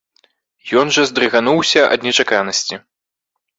Ён аж здрыгануўся ад нечаканасці.